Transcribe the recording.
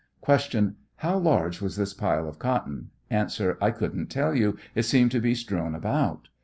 ] Q. How large was this pile of cotton ? A. I couldn't tell you, it seemed to bo strewn around. Q.